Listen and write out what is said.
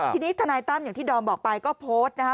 ทีนี้ทนายตั้มอย่างที่ดอมบอกไปก็โพสต์นะคะ